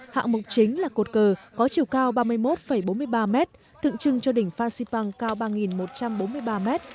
hạng mục chính là cột cờ có chiều cao ba mươi một bốn mươi ba m tượng trưng cho đỉnh phan xipang cao ba một trăm bốn mươi ba m